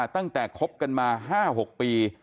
ตั้งแต่คบกันมา๕๖ปี